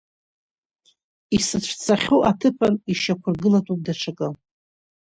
Исыцәцахьоу аҭыԥан ишьақәыргылатәуп даҽакы.